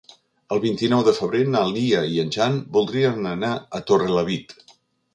El vint-i-nou de febrer na Lia i en Jan voldrien anar a Torrelavit.